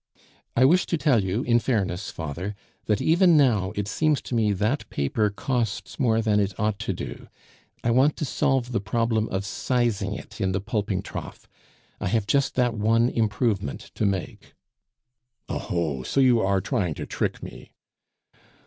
"I wish to tell you in fairness, father, that even now it seems to me that paper costs more than it ought to do; I want to solve the problem of sizing it in the pulping trough. I have just that one improvement to make." "Oho! so you are trying to trick me!"